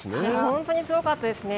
本当にすごかったですね。